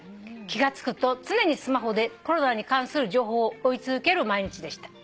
「気が付くと常にスマホでコロナに関する情報を追い続ける毎日でした」